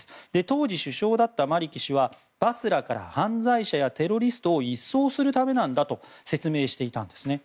当時、首相だったマリキ氏はバスラから犯罪者やテロリストを一掃するためだと説明していたんですね。